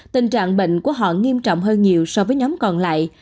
tình trạng bệnh của họ nghiêm trọng hơn nhiều so với nhóm còn lại